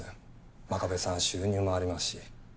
真壁さん収入もありますし。